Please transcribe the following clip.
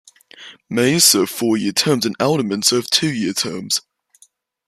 Mayors serve four-year terms and aldermen serve two-year terms.